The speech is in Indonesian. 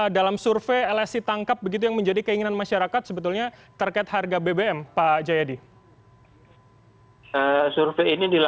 dalam survei lsi tangkap begitu yang menjadi keinginan masyarakat sebetulnya terkait harga bbm pak jayadi